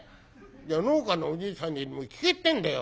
農家のおじいさんにでも聞けってんだよ。